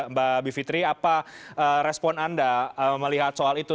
mbak bivitri apa respon anda melihat soal itu